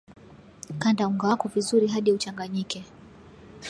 kanda unga wako vizuri hadi uchanganyike